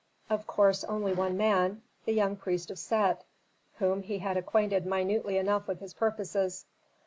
Of course only one man: the young priest of Set, whom he had acquainted minutely enough with his purposes.